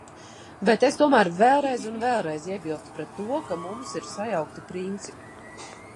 Bet es tomēr vēlreiz un vēlreiz iebilstu pret to, ka mums ir sajaukti principi.